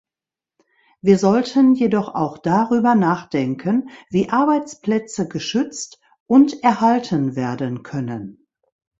Wir sollten jedoch auch darüber nachdenken, wie Arbeitsplätze geschützt und erhalten werden können.